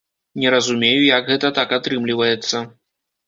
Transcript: Не разумею, як гэта так атрымліваецца.